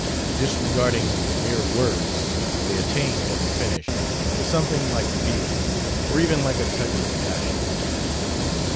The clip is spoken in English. Disregarding the mere words, they attained, at the finish, to something like feeling or even like a touch of passion.